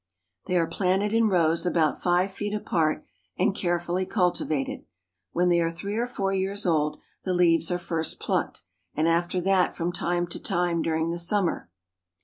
They are planted in rows about five feet apart and carefully cultivated. When they are three or four years old the leaves are first plucked, and after that from time to time during the summer.